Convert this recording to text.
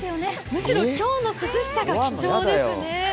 むしろ今日の涼しさが貴重ですよね。